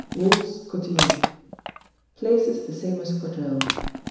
Waltz Cotillon. Places the same as quadrille.